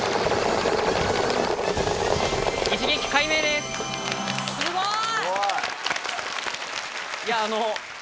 すごい！